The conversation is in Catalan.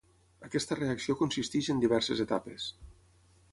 Aquesta reacció consisteix en diverses etapes.